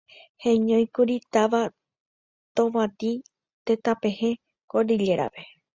heñóikuri táva Tovatĩ, tetãpehẽ Cordillera-pe